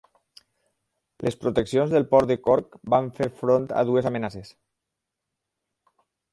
Les proteccions del port de Cork van fer front a dues amenaces.